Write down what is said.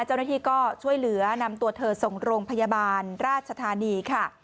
เจ้าหน้าที่ก็ช่วยเหลือนำตัวเธอส่งโรงพยาบาลราชธานีค่ะ